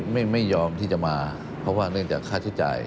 ไม่ยอมที่จะมาเพราะว่าเนื่องจากค่าใช้จ่าย